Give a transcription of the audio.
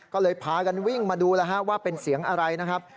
ก็เลยพากันวิ่งมาดูแล้วว่าเป็นเสียงอะไรนะครับ